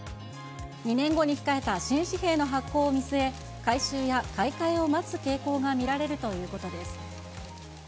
２年後に控えた新紙幣の発行を見据え、改修や買い替えを待つ傾向が見られるということです。